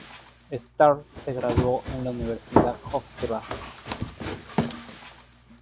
Starr se graduó en la Universidad Hofstra.